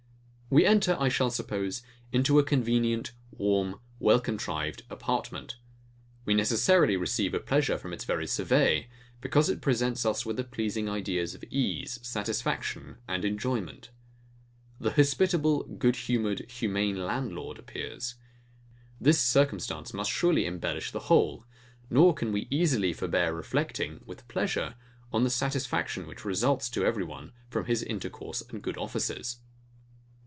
We enter, I shall suppose, into a convenient, warm, well contrived apartment: We necessarily receive a pleasure from its very survey; because it presents us with the pleasing ideas of ease, satisfaction, and enjoyment. The hospitable, good humoured, humane landlord appears. This circumstance surely must embellish the whole; nor can we easily forbear reflecting, with pleasure, on the satisfaction which results to every one from his intercourse and good offices.